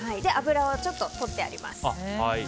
油をちょっと取ってあります。